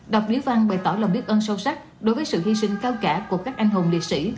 đọc lý văn bày tỏ lòng biết ơn sâu sắc đối với sự hy sinh cao cả của các anh hùng liệt sĩ